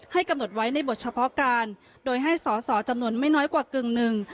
กำหนดไว้ในบทเฉพาะการโดยให้สอสอจำนวนไม่น้อยกว่ากึ่งหนึ่ง